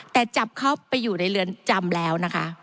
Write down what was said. แต่จับเข้าไปอยู่ในเรือนจำแล้วนะคะ